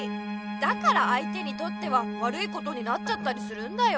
だから相手にとっては悪いことになっちゃったりするんだよ。